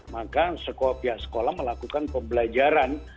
maka pihak sekolah melakukan pembelajaran